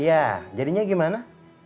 iya jadinya gimana